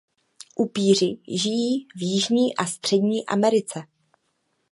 Upíři žijí v Jižní a Střední Americe.